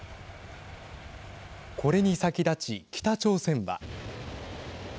これに先立ち北朝鮮は。